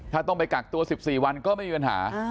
ถ้าต้องไปกักตัว๑๔วันก็ไม่มีปัญหา